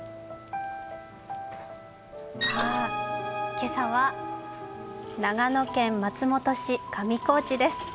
今朝は長野県松本市上高地です。